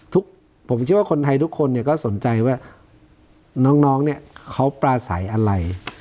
ทุกผมเชื่อว่าคนไทยทุกคนเนี่ยก็สนใจว่าน้องน้องเนี่ยเขาปลาสายอะไร